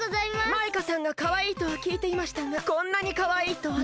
マイカさんがかわいいとはきいていましたがこんなにかわいいとは。